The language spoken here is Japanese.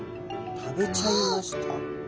食べちゃいました。